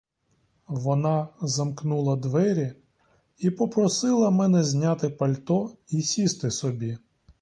Вона замкнула двері і попросила мене зняти пальто і сісти собі.